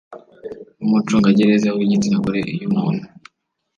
n umucungagereza w igitsina gore Iyo umuntu